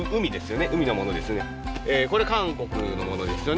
これ韓国のものですよね。